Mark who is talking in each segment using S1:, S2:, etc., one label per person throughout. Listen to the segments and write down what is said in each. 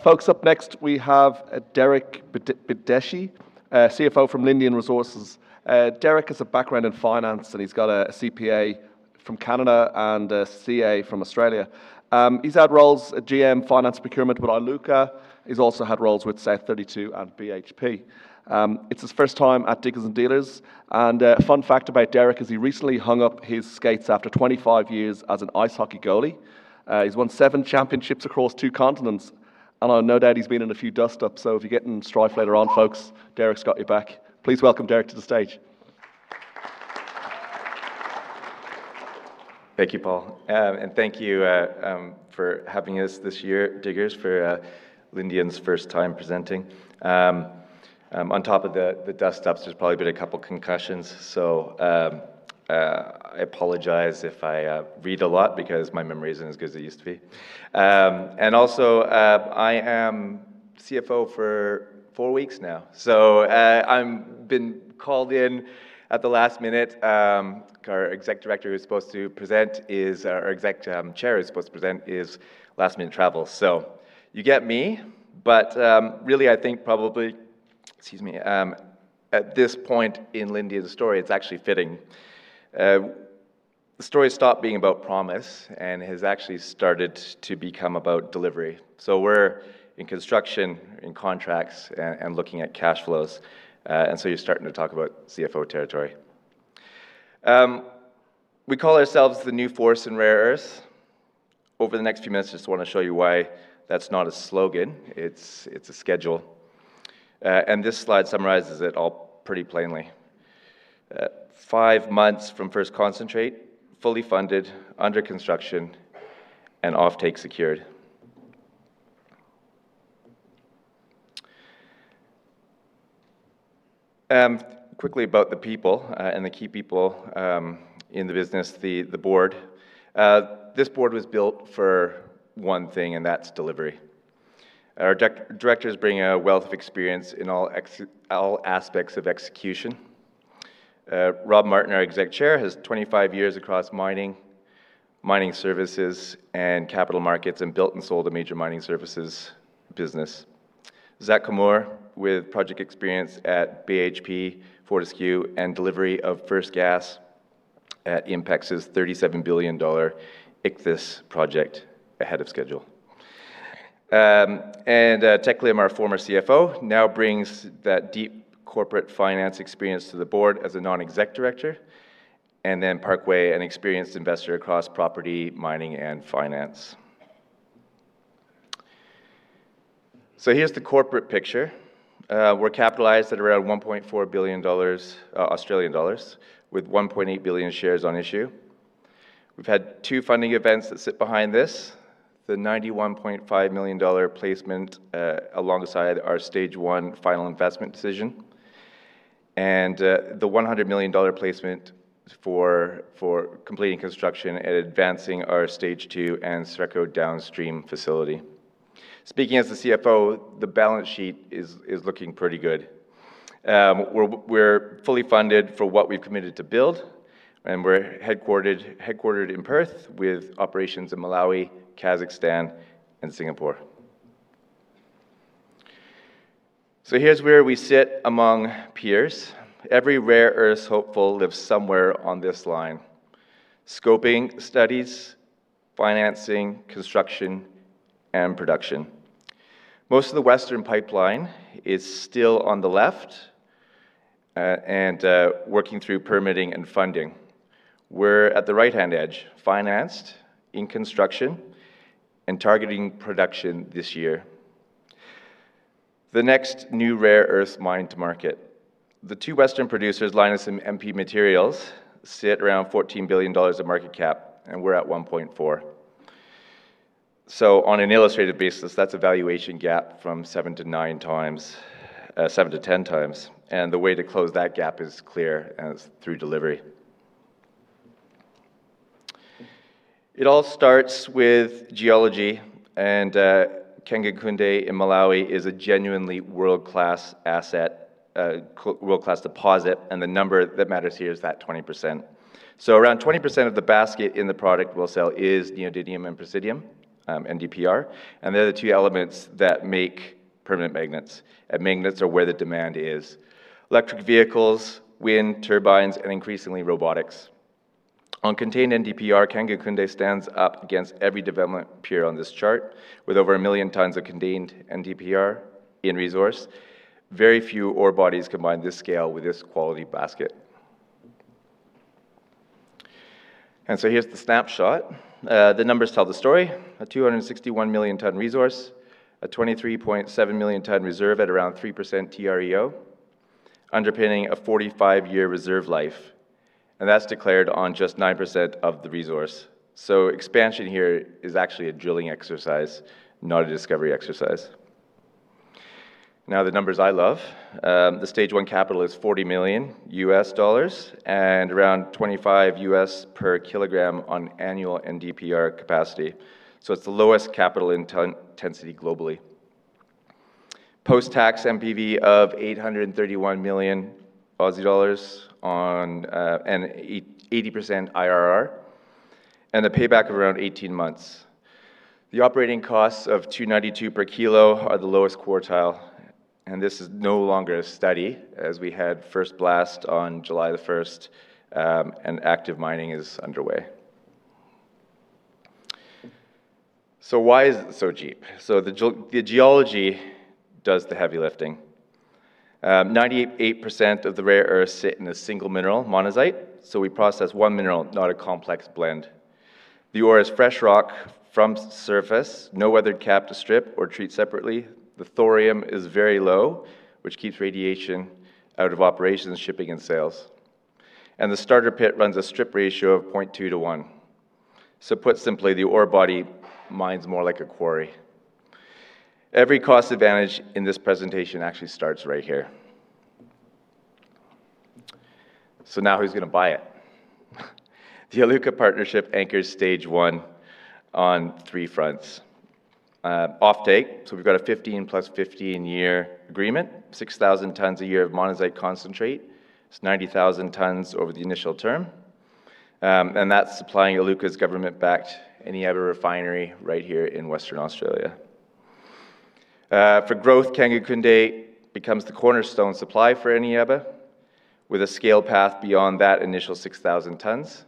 S1: Folks, up next we have Derek Bideshi, CFO from Lindian Resources. Derek has a background in finance and he's got a CPA from Canada and a CA from Australia. He's had roles at GM Finance Procurement with Iluka. He's also had roles with South32 and BHP. It's his first time at Diggers & Dealers, and a fun fact about Derek is he recently hung up his skates after 25 years as an ice hockey goalie. He's won seven championships across two continents, and no doubt he's been in a few dust-ups, so if you get into strife later on, folks, Derek's got your back. Please welcome Derek to the stage.
S2: Thank you, Paul. Thank you for having us this year at Diggers for Lindian's first time presenting. On top of the dust-ups, there's probably been a two concussions, so I apologize if I read a lot because my memory isn't as good as it used to be. I am CFO for four weeks now, so I've been called in at the last minute. Our Exec Chair who was supposed to present is last-minute travel, so you get me. Really, I think probably, excuse me, at this point in Lindian's story, it's actually fitting. The story stopped being about promise and has actually started to become about delivery. We're in construction, in contracts, and looking at cash flows, so you're starting to talk about CFO territory. We call ourselves the new force in rare earths. Over the next few minutes, I just want to show you why that's not a slogan, it's a schedule. This slide summarizes it all pretty plainly. Five months from first concentrate, fully funded, under construction, and offtake secured. Quickly about the people and the key people in the business, the board. This board was built for one thing, and that's delivery. Our directors bring a wealth of experience in all aspects of execution. Rob Martin, our Exec Chair, has 25 years across mining services, and capital markets and built and sold a major mining services business. Zac Kumar, with project experience at BHP, Fortescue, and delivery of first gas at INPEX's 37 billion dollar Ichthys project ahead of schedule. Teck Lim, our former CFO, now brings that deep corporate finance experience to the board as a Non-Exec Director. Parkway, an experienced investor across property, mining, and finance. Here's the corporate picture. We're capitalized at around 1.4 billion Australian dollars with 1.8 billion shares on issue. We've had two funding events that sit behind this, the 91.5 million dollar placement alongside our stage one Final Investment Decision, and the 100 million dollar placement for completing construction and advancing our stage two and [Greco] downstream facility. Speaking as the CFO, the balance sheet is looking pretty good. We're fully funded for what we've committed to build, and we're headquartered in Perth with operations in Malawi, Kazakhstan, and Singapore. Here's where we sit among peers. Every rare earths hopeful lives somewhere on this line. Scoping studies, financing, construction, and production. Most of the Western pipeline is still on the left and working through permitting and funding. We're at the right-hand edge, financed, in construction, and targeting production this year. The next new rare earth mine to market. The two Western producers, Lynas and MP Materials, sit around $14 billion of market cap, and we're at $1.4 billion. On an illustrated basis, that's a valuation gap from 7-10 times. The way to close that gap is clear, and it's through delivery. It all starts with geology, and Kangankunde in Malawi is a genuinely world-class deposit, and the number that matters here is that 20%. Around 20% of the basket in the product we'll sell is neodymium and praseodymium, NdPr, and they're the two elements that make permanent magnets. Magnets are where the demand is. Electric vehicles, wind turbines, and increasingly robotics. On contained NdPr, Kangankunde stands up against every development peer on this chart. With over 1 million tons of contained NdPr in resource, very few ore bodies combine this scale with this quality basket. Here's the snapshot. The numbers tell the story. A 261 million tons resource, a 23.7 million tons reserve at around 3% TREO, underpinning a 45-year reserve life. That's declared on just 9% of the resource. Expansion here is actually a drilling exercise, not a discovery exercise. Now the numbers I love. The stage one capital is $40 million and around $25 per kilogram on annual NdPr capacity. It's the lowest capital intensity globally. Post-tax NPV of 831 million Aussie dollars on an 80% IRR and a payback of around 18 months. The operating costs of 292 per kilo are the lowest quartile, and this is no longer a study as we had first blast on July 1st, and active mining is underway. Why is it so cheap? The geology does the heavy lifting. 98% of the rare earths sit in a single mineral, monazite. We process one mineral, not a complex blend. The ore is fresh rock from surface, no weathered cap to strip or treat separately. The thorium is very low, which keeps radiation out of operations, shipping, and sales. The starter pit runs a strip ratio of 0.2 to 1. Put simply, the ore body mines more like a quarry. Every cost advantage in this presentation actually starts right here. Now who's going to buy it? The Iluka partnership anchors stage one on three fronts. Off-take. We've got a 15-plus-15-year agreement, 6,000 tonnes a year of monazite concentrate. It's 90,000 tonnes over the initial term. That's supplying Iluka's government-backed Eneabba Refinery right here in Western Australia. For growth, Kangankunde becomes the cornerstone supply for Eneabba, with a scale path beyond that initial 6,000 tonnes,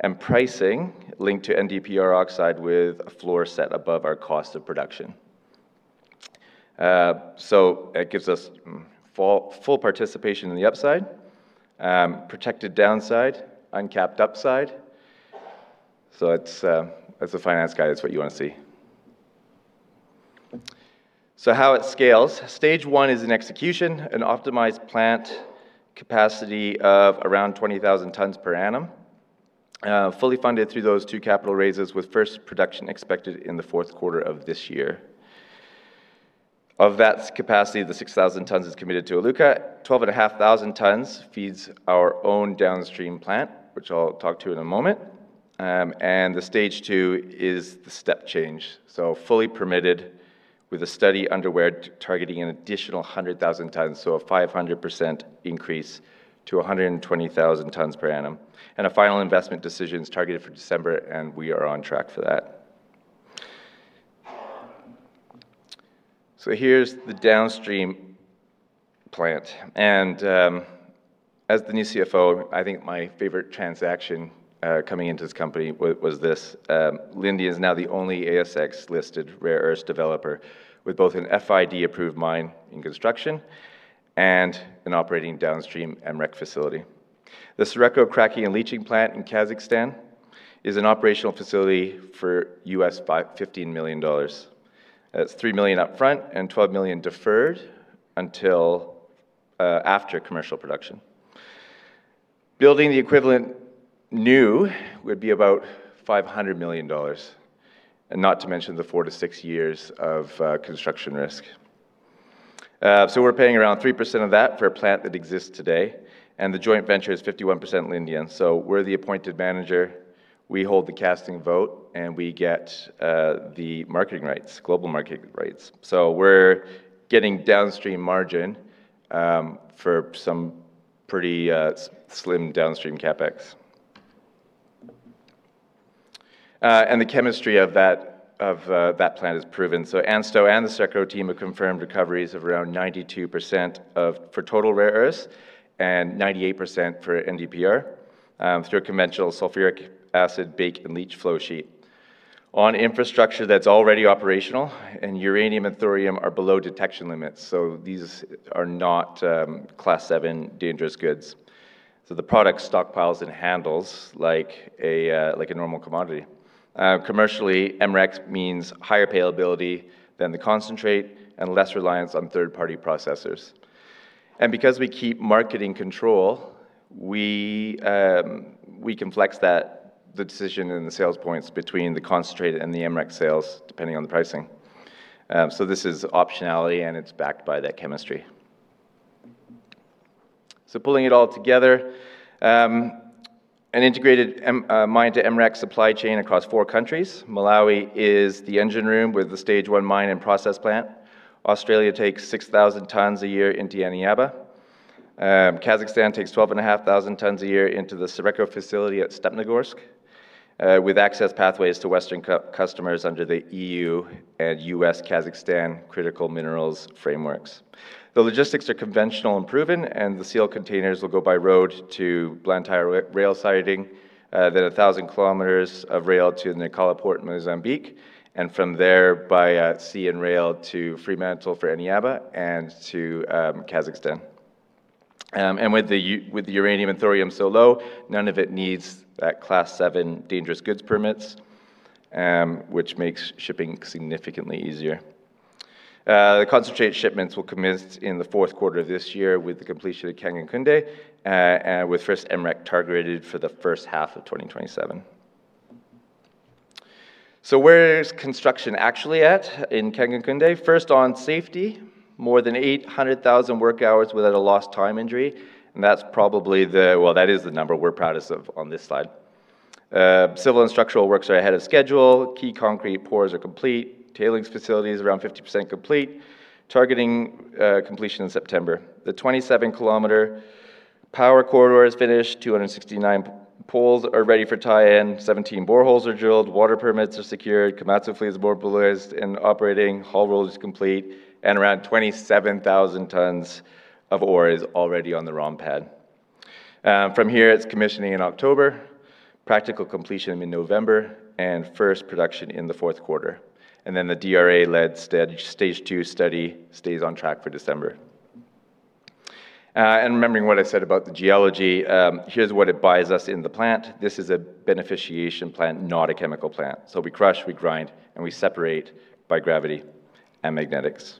S2: and pricing linked to NdPr oxide with a floor set above our cost of production. It gives us full participation in the upside, protected downside, uncapped upside. As a finance guy, that's what you want to see. How it scales. Stage one is in execution, an optimized plant capacity of around 20,000 tonnes per annum, fully funded through those two capital raises with first production expected in the fourth quarter of this year. Of that capacity, the 6,000 tonnes is committed to Iluka. 12,500 tonnes feeds our own downstream plant, which I'll talk to in a moment. The stage two is the step change. Fully permitted with a study underway targeting an additional 100,000 tonnes, a 500% increase to 120,000 tonnes per annum. A final investment decision is targeted for December, and we are on track for that. Here's the downstream plant. As the new CFO, I think my favorite transaction coming into this company was this. Lindian is now the only ASX-listed rare earths developer with both an FID-approved mine in construction and an operating downstream MREC facility. The SARECO cracking and leaching plant in Kazakhstan is an operational facility for $15 million. That's $3 million upfront and $12 million deferred until after commercial production. Building the equivalent new would be about $500 million, and not to mention the four to six years of construction risk. We're paying around 3% of that for a plant that exists today, and the joint venture is 51% Lindian. We're the appointed manager. We hold the casting vote, and we get the marketing rights, global marketing rights. We're getting downstream margin for some pretty slim downstream CapEx. The chemistry of that plant is proven. ANSTO and the SARECO team have confirmed recoveries of around 92% for total rare earths and 98% for NdPr through a conventional sulfuric acid bake and leach flow sheet. Infrastructure that's already operational, and uranium and thorium are below detection limits. These are not class seven dangerous goods. The product stockpiles and handles like a normal commodity. Commercially, MREC means higher payability than the concentrate and less reliance on third-party processors. Because we keep marketing control, we can flex the decision and the sales points between the concentrate and the MREC sales, depending on the pricing. This is optionality, and it's backed by that chemistry. Pulling it all together, an integrated mine-to-MREC supply chain across four countries. Malawi is the engine room with the stage one mine and process plant. Australia takes 6,000 tonnes a year into Eneabba. Kazakhstan takes 12,500 tonnes a year into the SARECO facility at Stepnogorsk with access pathways to Western customers under the EU and U.S.-Kazakhstan critical minerals frameworks. The logistics are conventional and proven, and the seal containers will go by road to Blantyre Rail Siding, then 1,000 km of rail to Beira Port, Mozambique, and from there by sea and rail to Fremantle for Eneabba and to Kazakhstan. With the uranium and thorium so low, none of it needs that class seven dangerous goods permits, which makes shipping significantly easier. The concentrate shipments will commence in the fourth quarter of this year with the completion of Kangankunde, with first MREC targeted for the first half of 2027. Where is construction actually at in Kangankunde? First on safety, more than 800,000 work hours without a lost time injury, and that is the number we're proudest of on this slide. Civil and structural works are ahead of schedule. Key concrete pours are complete. Tailings facilities around 50% complete, targeting completion in September. The 27 km power corridor is finished. 269 poles are ready for tie-in. 17 boreholes are drilled. Water permits are secured. Komatsu fleet is mobilized and operating. Haul road is complete. Around 27,000 tons of ore is already on the ROM pad. From here, it's commissioning in October, practical completion in November, and first production in the fourth quarter. The DRA-led stage two study stays on track for December. Remembering what I said about the geology, here's what it buys us in the plant. This is a beneficiation plant, not a chemical plant. We crush, we grind, and we separate by gravity and magnetics.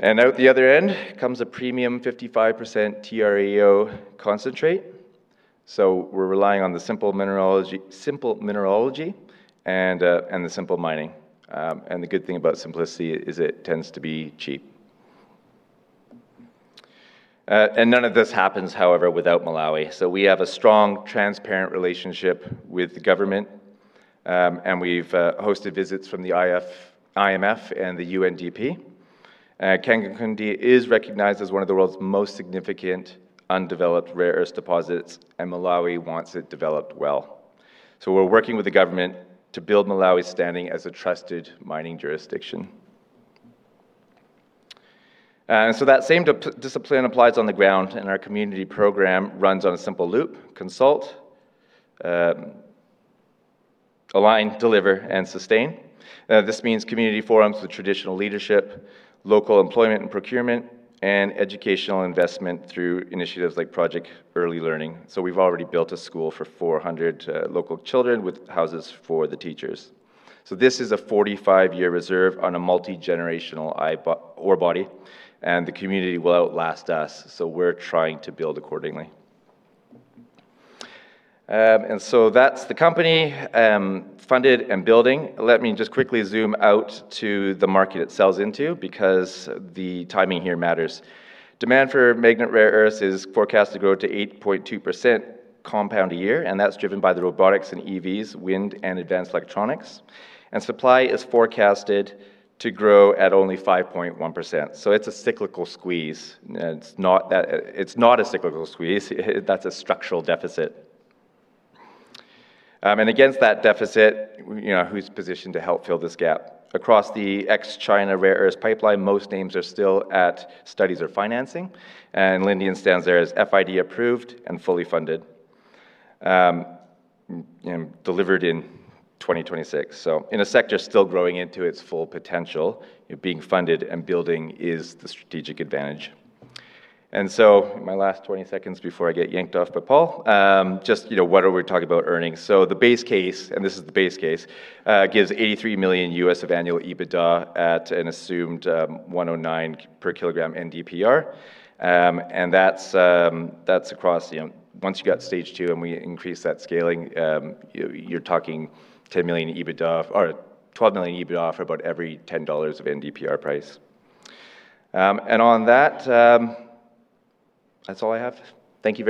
S2: Out the other end comes a premium 55% TREO concentrate. We're relying on the simple mineralogy and the simple mining. The good thing about simplicity is it tends to be cheap. None of this happens, however, without Malawi. We have a strong, transparent relationship with the government, and we've hosted visits from the IMF and the UNDP. Kangankunde is recognized as one of the world's most significant undeveloped rare earth deposits, Malawi wants it developed well. We're working with the government to build Malawi's standing as a trusted mining jurisdiction. That same discipline applies on the ground, and our community program runs on a simple loop: consult, align, deliver, and sustain. This means community forums with traditional leadership, local employment and procurement, and educational investment through initiatives like Project Early Learning. We've already built a school for 400 local children with houses for the teachers. This is a 45-year reserve on a multi-generational ore body, the community will outlast us, so we're trying to build accordingly. That's the company funded and building. Let me just quickly zoom out to the market it sells into, because the timing here matters. Demand for magnet rare earths is forecasted to grow to 8.2% compound a year, and that's driven by the robotics and EVs, wind, and advanced electronics. Supply is forecasted to grow at only 5.1%, so it's a cyclical squeeze. It's not a cyclical squeeze. That's a structural deficit. Against that deficit, who's positioned to help fill this gap? Across the ex-China rare earths pipeline, most names are still at studies or financing, Lindian stands there as FID approved and fully funded, and delivered in 2026. In a sector still growing into its full potential, being funded and building is the strategic advantage. My last 20 seconds before I get yanked off by Paul, just what are we talking about earnings? The base case, and this is the base case, gives $83 million of annual EBITDA at an assumed $109 per kilogram NdPr. Once you got stage two and we increase that scaling, you're talking $12 million EBITDA for about every $10 of NdPr price. On that's all I have. Thank you very much